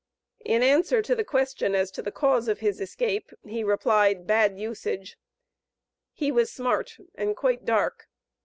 In answer to the question as to the cause of his escape, he replied "bad usage." He was smart, and quite dark.